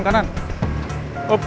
tidak ada yang bisa dihentikan